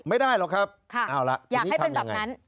ไม่ได้หรอกครับอยากให้เป็นแบบนั้น